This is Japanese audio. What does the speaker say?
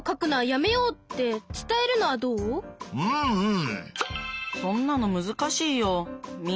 うんうん！